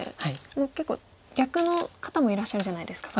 もう結構逆の方もいらっしゃるじゃないですか。